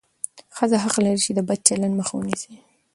ښځه حق لري چې د بد چلند مخه ونیسي.